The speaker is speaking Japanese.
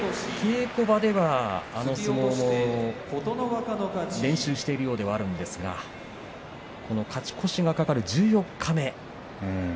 稽古場では、あのやり方を練習しているようではあるんですが、この勝ち越しが懸かる十四日目。